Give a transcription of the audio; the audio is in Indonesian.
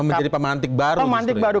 membentuk pemantik baru